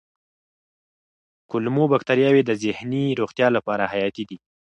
کولمو بکتریاوې د ذهني روغتیا لپاره حیاتي دي.